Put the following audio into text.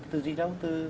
từ gì đâu